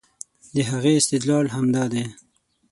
د هغې استدلال همدا دی